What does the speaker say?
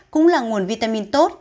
cũng là nguồn vitamin tốt